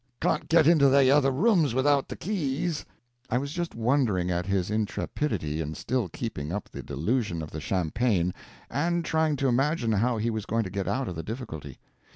Can't get into the other rooms without the keys." (I was just wondering at his intrepidity in still keeping up the delusion of the champagne, and trying to imagine how he was going to get out of the difficulty.)